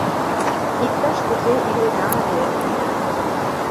Иктаж-кузе илена ыле.